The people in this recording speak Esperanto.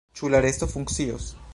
Ĉu la resto funkcios?